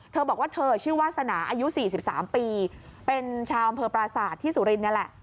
เธอบอกว่าเธอชื่อวาสนาอายุ๔๓ปีเป็นชาวอำเภอปราศาสตร์ที่สุรินทร์นี่แหละ